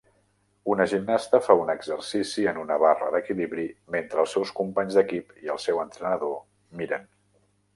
Una gimnasta fa un exercici en una barra d'equilibri mentre els seus companys d'equip i el seu entrenador miren.